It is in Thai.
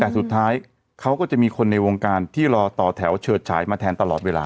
แต่สุดท้ายเขาก็จะมีคนในวงการที่รอต่อแถวเฉิดฉายมาแทนตลอดเวลา